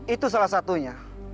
itu salah satunya